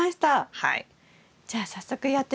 はい。